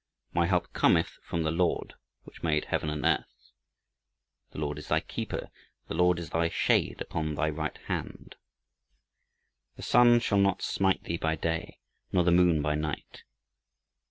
"My help cometh from the Lord which made heaven and earth" "The Lord is thy keeper: the Lord is thy shade upon thy right hand." "The sun shall not smite thee by day, nor the moon by night."